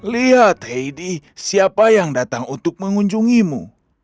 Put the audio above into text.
lihat heidi siapa yang datang untuk mengunjungimu